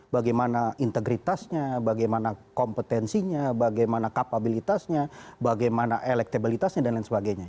bagaimana integritasnya bagaimana kompetensinya bagaimana kapabilitasnya bagaimana elektabilitasnya dan lain sebagainya